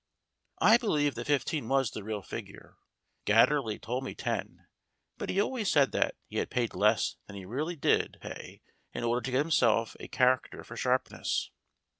I believe that fifteen was the real figure. Gatterley told me ten, but he always says that he had paid less than he really did pay in order to get himself a char acter for sharpness.